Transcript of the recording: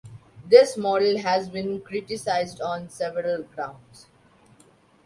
This model has been criticised on several grounds.